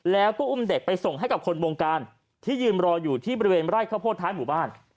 แล้วก็อุ้มเด็กไปส่งให้กับคนวงการที่ยืนรออยู่ที่บริเวณไร่ข้าวโพดท้ายหมู่บ้าน